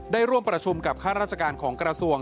ได้ร่วมประชุมกับค่าราชการของกรสงค์